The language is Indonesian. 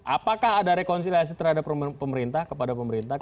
apakah ada rekonsiliasi terhadap pemerintah kepada pemerintah